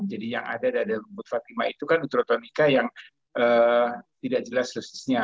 jadi yang ada di dalam rumput fatimah itu kan uterotonika yang tidak jelas dosisnya